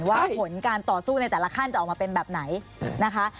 ว่าผลการต่อสู้ในแต่ละขั้นจะออกมาเป็นแบบไหนนะคะ